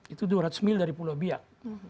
itu dua ratus mil dari pulau biak